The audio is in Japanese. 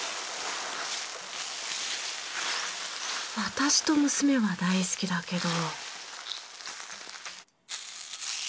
私と娘は大好きだけど。